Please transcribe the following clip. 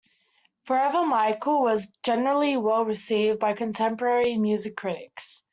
"Forever, Michael" was generally well received by contemporary music critics.